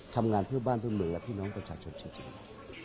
ทำงานเพื่อบ้านเพื่อเมืองและพี่น้องประชาชนชัดเจน